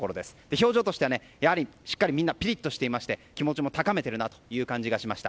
表情としてはしっかりピリッとしていまして気持ちを高めているなという感じがしました。